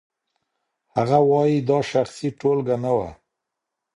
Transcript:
هغه وايي دا شخصي ټولګه نه وه.